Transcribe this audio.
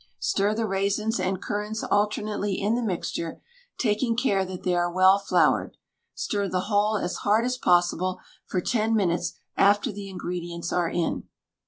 Stir the raisins and currants alternately in the mixture, taking care that they are well floured. Stir the whole as hard as possible, for ten minutes after the ingredients are in.